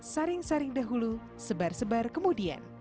saring saring dahulu sebar sebar kemudian